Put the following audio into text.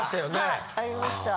はいありました。